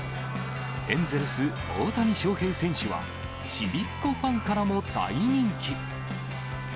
エンゼルス、大谷翔平選手は、ちびっこファンからも大人気。